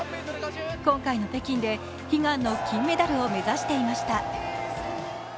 今回の北京で悲願の金メダルを目指していました。